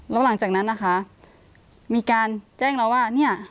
แล้วหลังจากนั้นนะคะมีการแจ้งเราว่าเนี่ย